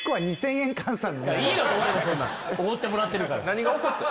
おごってもらってるから。